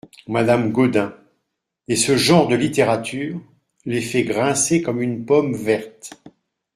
Madame Gaudin Et ce genre de littérature … les fait grincer comme une pomme verte.